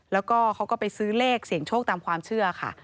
แล้วก็เขาก็ไปซื้อเลขเสี่ยงโชคตามความเชื่อค่ะ